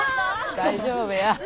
大丈夫や。